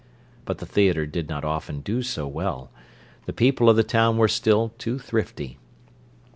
But the theatre did not often do so well; the people of the town were still too thrifty.